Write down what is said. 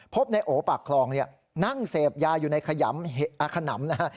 พบในโอปากคลองนั่งเสพยาอยู่ในขยำขนำนะฮะ